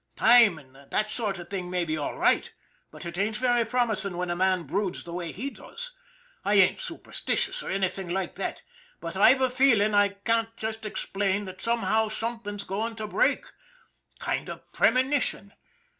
Time, and that sort of thing, may be all right, but it ain't very promising when a man broods the way he does. I ain't superstitious or anything like that, but I've a feeling I can't just explain that somehow something's going to break. Kind of premonition.